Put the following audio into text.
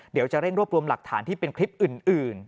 เดี๋ยวจะเร่งรวบรวมหลักฐานที่เป็นคลิปอื่น